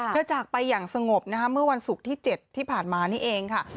จากไปอย่างสงบนะคะเมื่อวันศุกร์ที่๗ที่ผ่านมานี่เองค่ะ